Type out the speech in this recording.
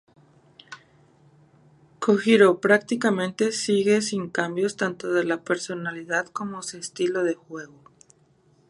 Kojiro prácticamente sigue sin cambios tanto de personalidad como se estilo de juego.